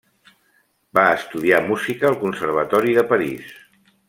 Va estudiar música al Conservatori de París.